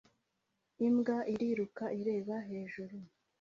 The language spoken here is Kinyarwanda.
Imbwa iriruka ireba hejuru